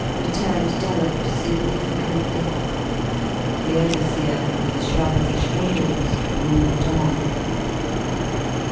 _" returned Dollops significantly. The overseer, with a shrug of the shoulders, moved on.